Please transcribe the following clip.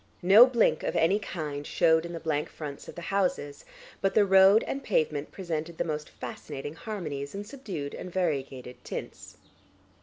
No blink of any kind shewed in the blank fronts of the houses, but the road and pavement presented the most fascinating harmonies in subdued and variegated tints.